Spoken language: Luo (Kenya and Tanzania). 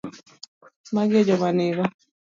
magi e joma nigo.